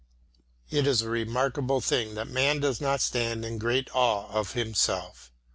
II It is a remarkable thing that man does not stand in great awe of himself.